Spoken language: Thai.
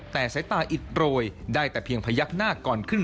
แต่สายตาอิดโรยได้แต่เพียงพยักหน้าก่อนขึ้น